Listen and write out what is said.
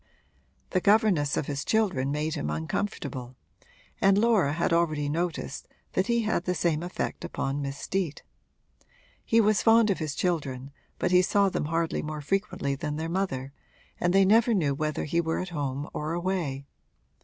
The governess of his children made him uncomfortable and Laura had already noticed that he had the same effect upon Miss Steet. He was fond of his children, but he saw them hardly more frequently than their mother and they never knew whether he were at home or away.